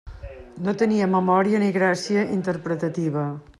No tenia memòria ni gràcia interpretativa.